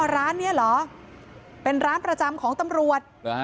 ร้านนี้เหรอเป็นร้านประจำของตำรวจ